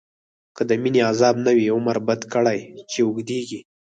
که دمينی عذاب نه وی، عمر بد کړی چی اوږديږی